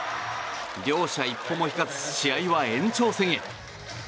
両者一歩も引かず試合は延長戦へ。